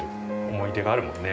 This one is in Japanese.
思い出があるもんね。